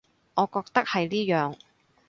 我覺得係呢樣